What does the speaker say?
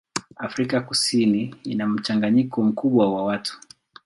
Afrika Kusini ina mchanganyiko mkubwa wa watu.